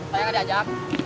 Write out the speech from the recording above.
saya gak diajak